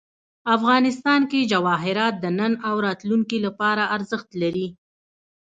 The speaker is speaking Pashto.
افغانستان کې جواهرات د نن او راتلونکي لپاره ارزښت لري.